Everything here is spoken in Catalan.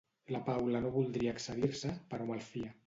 La Paula no voldria excedir-se, però malfia.